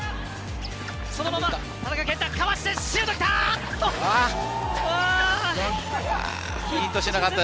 そのまま、田中健太、かわしてシュートきた。